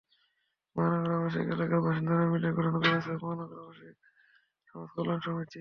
মহানগর আবাসিক এলাকার বাসিন্দারা মিলে গঠন করেছেন মহানগর আবাসিক সমাজকল্যাণ সমিতি।